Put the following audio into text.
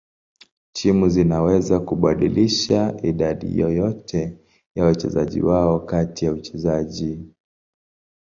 Timu zinaweza kubadilisha idadi yoyote ya wachezaji wao kati ya uchezaji.